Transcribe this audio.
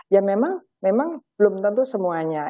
ya memang belum tentu semuanya